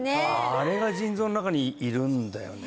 あれが腎臓の中にいるんだよね